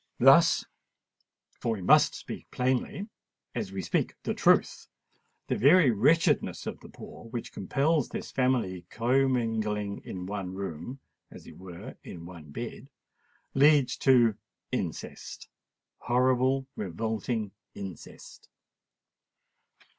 Thus—for we must speak plainly, as we speak the truth—the very wretchedness of the poor, which compels this family commingling in one room and as it were in one bed, leads to incest—horrible, revolting incest!